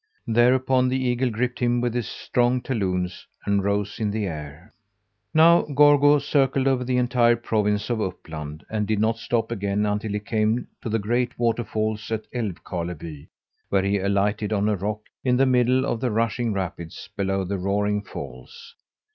Thereupon the eagle gripped him with his strong talons, and rose in the air. Now Gorgo circled over the entire province of Uppland and did not stop again until he came to the great water falls at Älvkarleby where he alighted on a rock in the middle of the rushing rapids below the roaring falls.